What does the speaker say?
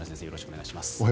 よろしくお願いします。